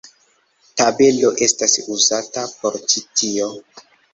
Tabelo estas uzata por ĉi tio.